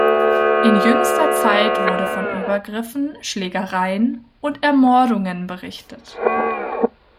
In jüngster Zeit wurde von Übergriffen, Schlägereien und Ermordungen berichtet.